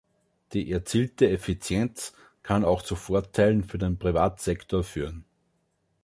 Die erzielte Effizienz kann auch zu Vorteilen für den Privatsektor führen.